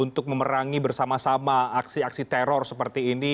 untuk memerangi bersama sama aksi aksi teror seperti ini